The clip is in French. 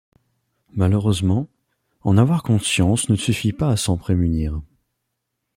Malheureusement, en avoir conscience ne suffit pas à s'en prémunir.